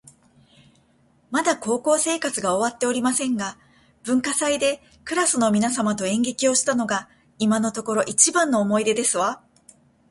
まだ高校生活が終わっておりませんが、文化祭でクラスの皆様と演劇をしたのが今のところ一番の思い出ですわ